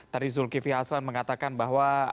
tadi zulkifli hasan mengatakan bahwa